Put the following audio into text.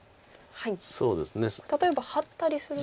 例えばハッたりすると。